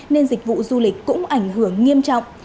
nên dịch vụ du lịch cũng ảnh hưởng nghiêm trọng